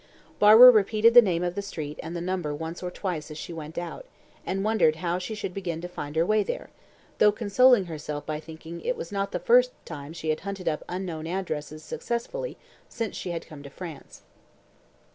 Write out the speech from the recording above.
Barbara repeated the name of the street and the number once or twice as she went out, and wondered how she should begin to find her way there, though consoling herself by thinking it was not the first time she had hunted up unknown addresses successfully since she had come to France.